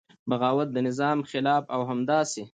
بغاوت د نظام خلاف او همداسې